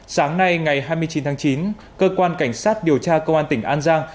sáng nay ngày hai mươi chín tháng chín cơ quan cảnh sát điều tra công an tỉnh an giang